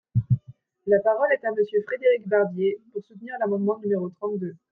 La parole est à Monsieur Frédéric Barbier, pour soutenir l’amendement numéro trente-deux.